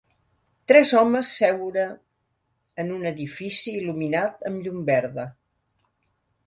Tres homes seure en un edifici il·luminat amb llum verda